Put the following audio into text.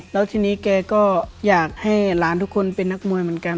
แล้วทีนี้แกก็อยากให้หลานทุกคนเป็นนักมวยเหมือนกัน